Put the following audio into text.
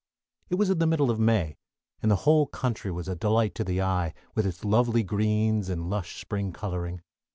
It was in the middle of May, and the whole country was a delight to the eye, with its lovely greens and lush spring coloring.